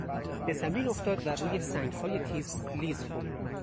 به زمین افتاد و روی سنگهای تیز لیز خورد.